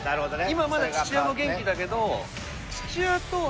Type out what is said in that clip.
今まだ父親も元気だけど。